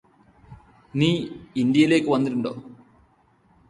നീ ഇന്ത്യയിലേക്ക് വന്നിട്ടുണ്ടോ